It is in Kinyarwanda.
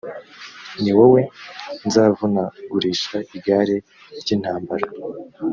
ni wowe nzavunagurisha igare ry intambara